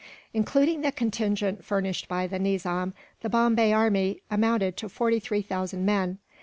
Including the contingent furnished by the Nizam, the Bombay army amounted to forty three thousand men.